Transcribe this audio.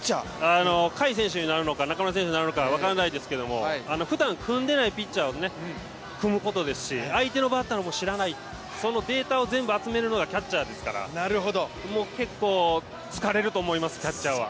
甲斐選手になるのか中村選手になるのか分からないですけど、ふだん組んでないピッチャーと組むことですし、相手のバッターも知らない、そのデータを全部集めるのがキャッチャーですから、もう結構、疲れると思いますキャッチャーは。